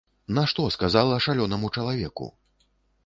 Нашто сказала шалёнаму чалавеку?